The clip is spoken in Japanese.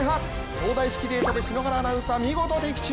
東大式データで篠原アナウンサー、見事的中！